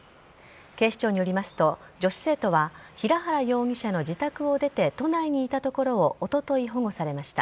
警視庁によりますと女子生徒は平原容疑者の自宅を出て都内にいたところをおととい、保護されました。